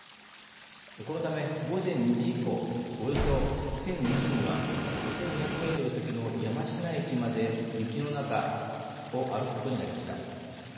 このため午前２時以降およそ１２００人は１２００メートル先の山科駅まで雪の中を歩くことになりました。